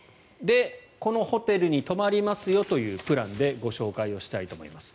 このホテルに泊まりますよというプランでご紹介したいと思います。